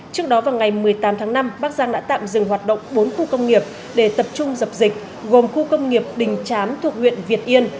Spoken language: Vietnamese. trước đó vào ngày một mươi tám tháng năm bắc giang đã tạm dừng hoạt động bốn khu công nghiệp để tập trung dập dịch gồm khu công nghiệp đình chám thuộc huyện việt yên